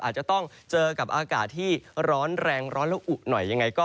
อาจจะต้องเจอกับอากาศที่ร้อนแรงร้อนและอุหน่อยยังไง